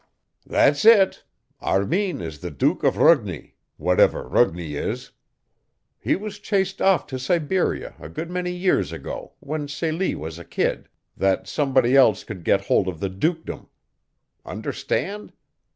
"That's it. Armin is the Duke of Rugni, whatever Rugni is. He was chased off to Siberia a good many years ago, when Celie was a kid, that somebody else could get hold of the Dukedom. Understand?